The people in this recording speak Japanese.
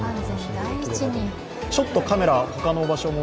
ちょっとカメラ、他の場所も。